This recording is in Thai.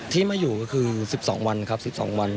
ที่มาอยู่ก็คือ๑๒วันครับ๑๒วัน